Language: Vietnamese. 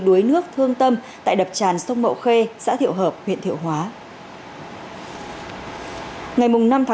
đuối nước thương tâm tại đập tràn sốc mậu khê xã thiệu hợp huyện thiệu hóa